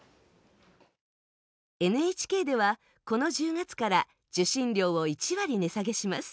ＮＨＫでは、この１０月から受信料を１割値下げします。